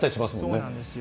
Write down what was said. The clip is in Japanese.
そうなんですよ。